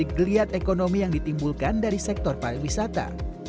kue dari geliat ekonomi yang ditimbulkan dari sektor para wisata